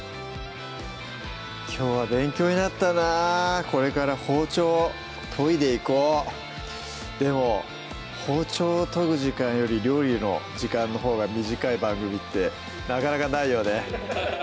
きょうは勉強になったなこれから包丁を研いでいこうでも包丁を研ぐ時間より料理の時間のほうが短い番組ってなかなかないよね